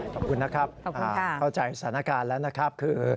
ขอบคุณนะครับเข้าใจสถานการณ์แล้วนะครับคือ